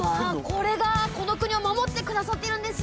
これがこの国を守ってくださってるんですね。